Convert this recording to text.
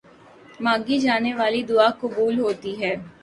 مانگی جانے والی دعا قبول ہوتی ہے۔